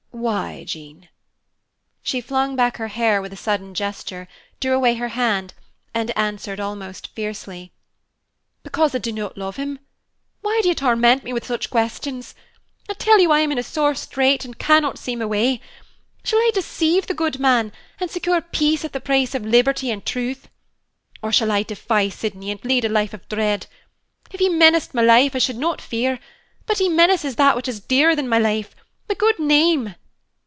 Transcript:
"Why, Jean?" She flung her hair back with a sudden gesture, drew away her hand, and answered, almost fiercely, "Because I do not love him! Why do you torment me with such questions? I tell you I am in a sore strait and cannot see my way. Shall I deceive the good man, and secure peace at the price of liberty and truth? Or shall I defy Sydney and lead a life of dread? If he menaced my life, I should not fear; but he menaces that which is dearer than life my good name.